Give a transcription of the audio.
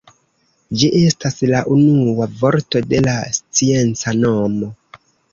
Ĝi estas la unua vorto de la scienca nomo.